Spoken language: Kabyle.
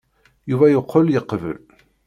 Yuba yeqqel yeqbel.